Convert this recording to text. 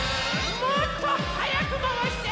もっとはやくまわして！